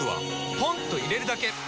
ポンと入れるだけ！